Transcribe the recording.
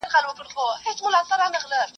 ایا سوزېدلی کاغذ هم لوستل کېدای سی؟